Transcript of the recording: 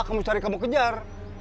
kamu cari kamu kejar